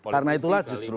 karena itulah justru